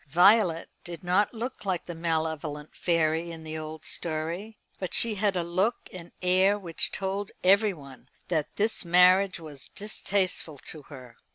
Violet did not look like the malevolent fairy in the old story, but she had a look and air which told everyone that this marriage was distasteful to her.